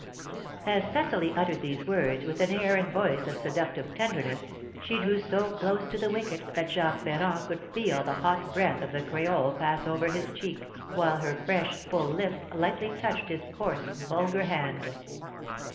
'" As Cecily uttered these words, with an air and voice of seductive tenderness, she drew so close to the wicket that Jacques Ferrand could feel the hot breath of the creole pass over his cheek, while her fresh, full lip lightly touched his coarse, vulgar hand.